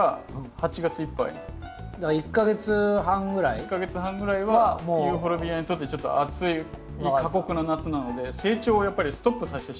１か月半ぐらいはユーフォルビアにとってちょっと暑い過酷な夏なので成長をやっぱりストップさせてしまうんですよね。